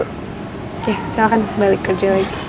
oke silahkan balik kerja lagi